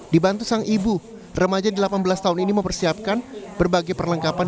dibantu sang ibu remaja delapan belas tahun ini mempersiapkan berbagai perlengkapan